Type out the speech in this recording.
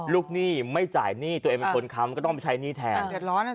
หนี้ไม่จ่ายหนี้ตัวเองเป็นคนค้ำก็ต้องไปใช้หนี้แทน